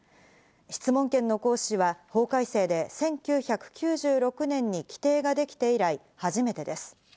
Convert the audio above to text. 質問権の行使は法改正で１９９６年に規定ができて以来初めてです。